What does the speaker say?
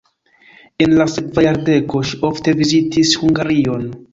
En la sekva jardeko ŝi ofte vizitis Hungarion.